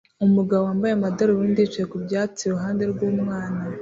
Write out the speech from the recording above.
Umugabo wambaye amadarubindi yicaye ku byatsi iruhande rw'umwana